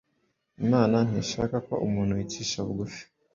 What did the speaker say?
Imana ntishaka ko umuntu yicisha bugufi: